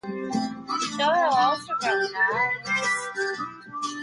Doyle also wrote novels.